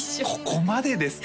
ここまでですか？